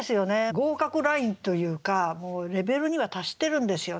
合格ラインというかレベルには達してるんですよね。